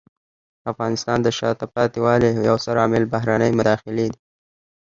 د افغانستان د شاته پاتې والي یو ستر عامل بهرنۍ مداخلې دي.